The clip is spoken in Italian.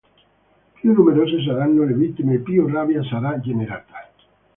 Più numerose saranno le vittime e più rabbia sarà generata.